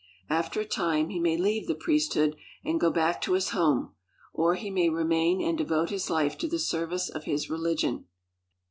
After a time, he may leave the priest hood and go back to his home, or he may remain and devote his life to the service of his religion.